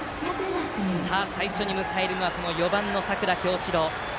最初に迎えるのは４番、佐倉侠史朗。